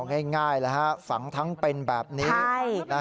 ง่ายฝังทั้งเป็นแบบนี้